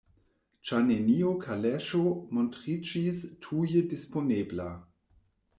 Ĉar neniu kaleŝo montriĝis tuje disponebla: